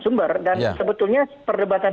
sumber dan sebetulnya perdebatan